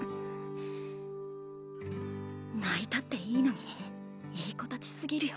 ないたっていいのにいい子たちすぎるよ